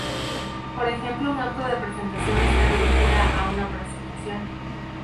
Por ejemplo un acto de presentación está dirigida a una presentación.